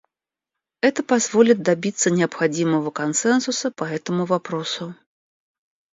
Это позволит добиться необходимого консенсуса по этому вопросу.